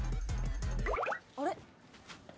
あれ？